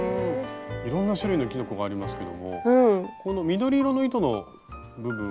いろんな種類のきのこがありますけどもこの緑色の糸の部分。